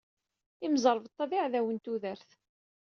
Imẓeṛbeṭṭa d iɛdawen n tudert.